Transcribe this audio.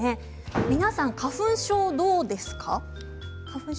皆さん、花粉症はどうですか？